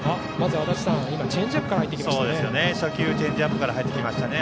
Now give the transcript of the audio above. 初球、チェンジアップから入ってきましたね。